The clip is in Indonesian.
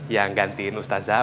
yang gantiin ustazah